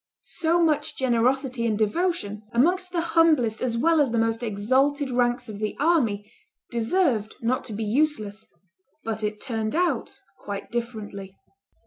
] So much generosity and devotion, amongst the humblest as well as the most exalted ranks of the army, deserved not to be useless: but it turned out quite differently.